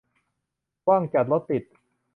ว่างจัด รถติด